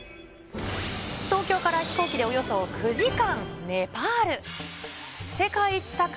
東京から飛行機でおよそ９時間。